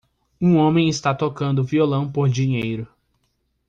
Um homem está tocando violão por dinheiro.